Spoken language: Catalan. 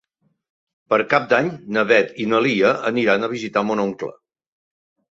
Per Cap d'Any na Beth i na Lia aniran a visitar mon oncle.